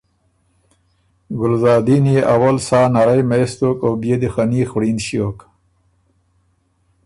ګلزادین يې اول سا نرئ مېس دوک او بيې دی خني خوړیند ݭیوک۔